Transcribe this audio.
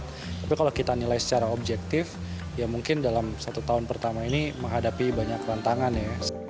tapi kalau kita nilai secara objektif ya mungkin dalam satu tahun pertama ini menghadapi banyak tantangan ya